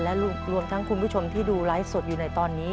และรวมทั้งคุณผู้ชมที่ดูไลฟ์สดอยู่ในตอนนี้